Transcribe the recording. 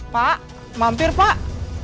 pak mampir pak